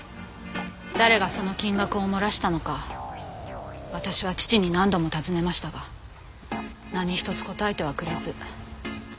誰がその金額を漏らしたのか私は父に何度も尋ねましたが何一つ答えてはくれず。